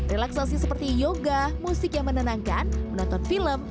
relaksasi seperti yoga musik yang menenangkan menonton film